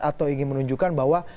atau ingin menunjukkan bahwa